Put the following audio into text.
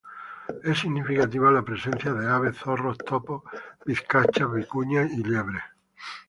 Es significativa la presencia de aves, zorros, topos, vizcachas, vicuña y liebres.